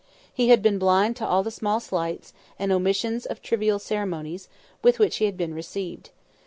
He had been blind to all the small slights, and omissions of trivial ceremonies, with which he had been received.